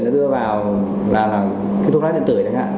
nó đưa vào là cái thuốc lá thị tửi đấy ạ